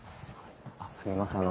すみません。